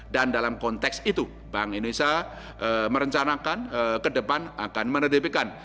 dan dalam konteks itu bank indonesia merencanakan kedepan akan menerbitkan